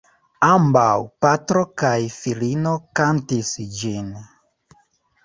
Ambaŭ, patro kaj filino kantis ĝin.